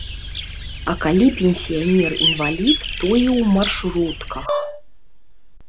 А калі пенсіянер інвалід, то і ў маршрутках.